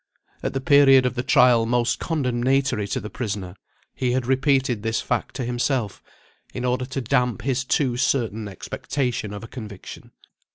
At the period of the trial most condemnatory to the prisoner, he had repeated this fact to himself in order to damp his too certain expectation of a conviction.